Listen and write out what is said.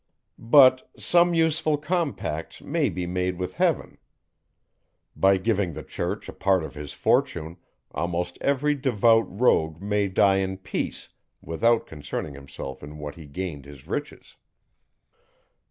But, "Some useful compacts may be made with heaven." By giving the church a part of his fortune, almost every devout rogue may die in peace, without concerning himself in what he gained his riches.